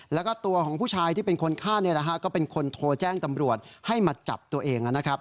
แล้วก็ตัวของผู้ชายที่เป็นคนฆ่าก็เป็นคนโทรแจ้งตำรวจให้มาจับตัวเองนะครับ